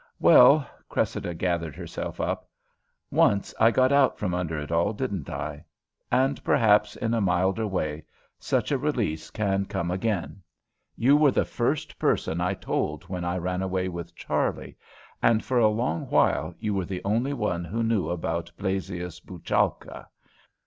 "Well," Cressida gathered herself up, "once I got out from under it all, didn't I? And perhaps, in a milder way, such a release can come again. You were the first person I told when I ran away with Charley, and for a long while you were the only one who knew about Blasius Bouchalka.